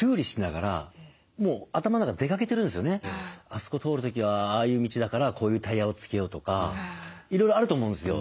あそこ通る時はああいう道だからこういうタイヤをつけようとかいろいろあると思うんですよ